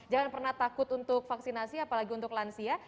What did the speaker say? apalagi untuk vaksinasi apalagi untuk lansia